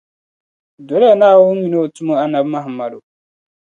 Doli ya Naawuni mini O tumo Annabi Muhammadu